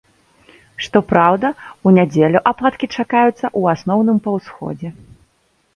Што праўда, у нядзелю ападкі чакаюцца ў асноўным па ўсходзе.